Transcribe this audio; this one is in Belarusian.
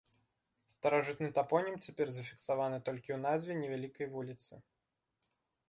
Старажытны тапонім цяпер зафіксаваны толькі ў назве невялікай вуліцы.